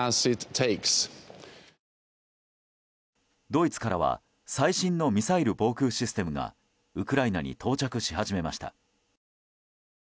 ドイツからは最新のミサイル防空システムがウクライナに到着し始めました。